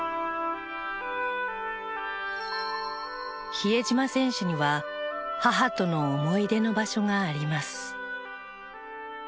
比江島選手には母との思い出の場所があります。